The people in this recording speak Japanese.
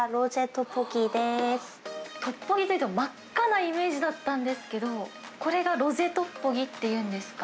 トッポッキというと真っ赤なイメージだったんですけど、これがロゼトッポッキっていうんですか？